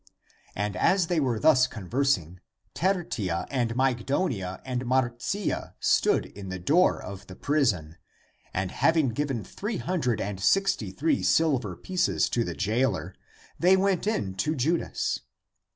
And as they were thus conversing, Tertia and Mygdonia and Marcia stood in the door of the prison, and having given three hundred and sixty three silver pieces to the jailer, they went in to Judas.